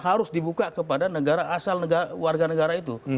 harus dibuka kepada negara asal warga negara itu